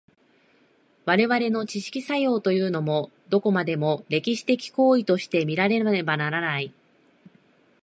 我々の知識作用というも、どこまでも歴史的行為として見られねばならない。